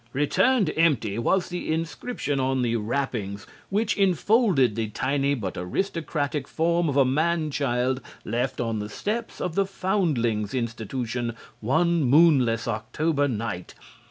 "Returned Empty" was the inscription on the wrappings which enfolded the tiny but aristocratic form of a man child left on the steps of the Foundlings Institution one moonless October night.